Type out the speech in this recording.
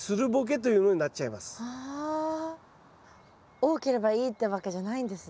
多ければいいってわけじゃないんですね。